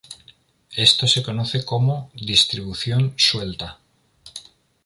Esto se conoce como "distribución suelta".